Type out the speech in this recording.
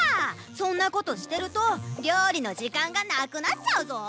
そんなことしてるとりょうりのじかんがなくなっちゃうぞ！